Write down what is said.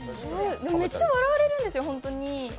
めっちゃ笑われるんですよ、本当に。